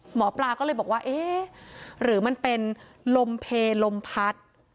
หมอปลาก็เลยบอกว่าเอ๊ะหรือมันเป็นลมเพลลมพัด